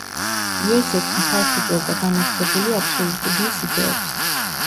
იოზეფი მხარს უჭერდა განათლებული აბსოლუტიზმის იდეებს.